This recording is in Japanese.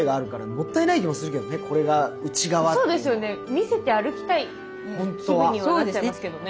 見せて歩きたい気分にはなっちゃいますけどね。